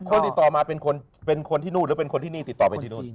คนติดต่อมาเป็นคนเป็นคนที่นู่นหรือเป็นคนที่นี่ติดต่อไปที่นู่น